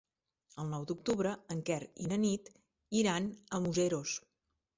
El nou d'octubre en Quer i na Nit iran a Museros.